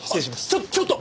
ちょちょっと！